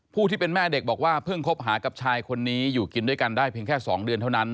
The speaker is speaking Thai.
ที่เป็นแม่เด็กบอกว่าเพิ่งคบหากับชายคนนี้อยู่กินด้วยกันได้เพียงแค่๒เดือนเท่านั้น